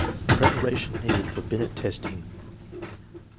Preparation needed for Binet testing.